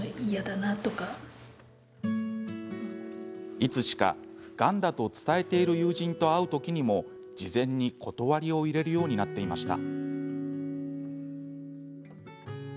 いつしか、がんだと伝えている友人と会う時にも事前に断りを入れるようになっていました。